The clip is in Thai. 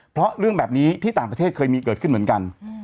เพราะเรื่องแบบนี้ที่ต่างประเทศเคยมีเกิดขึ้นเหมือนกัน